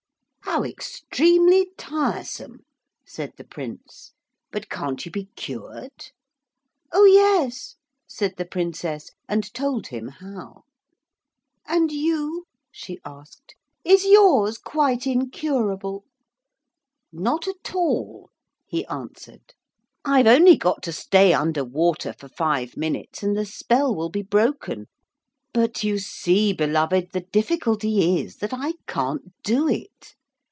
'How extremely tiresome,' said the Prince, 'but can't you be cured?' 'Oh yes,' said the Princess, and told him how. 'And you,' she asked, 'is yours quite incurable?' 'Not at all,' he answered, 'I've only got to stay under water for five minutes and the spell will be broken. But you see, beloved, the difficulty is that I can't do it.